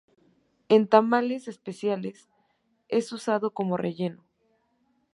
En tamales especiales, es usado como relleno.